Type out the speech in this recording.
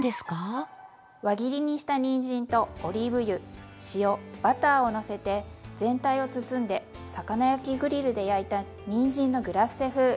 輪切りにしたにんじんとオリーブ油塩バターをのせて全体を包んで魚焼きグリルで焼いたにんじんのグラッセ風。